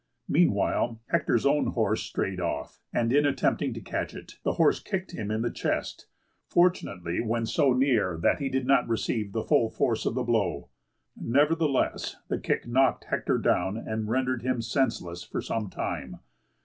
Meanwhile, Hector's own horse strayed off, and in attempting to catch it the horse kicked him in the chest, fortunately when so near that he did not receive the full force of the blow. Nevertheless, the kick knocked Hector down and rendered him senseless for some time.